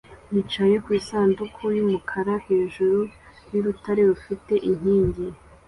yicaye ku isanduku y'umukara hejuru y'urutare rufite inkingi